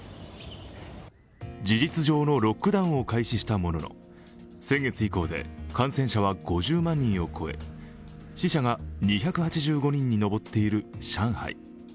事実上のロックダウンを開始したものの、先月以降で感染者は５０万人を超え死者が２８５人に上っている上海。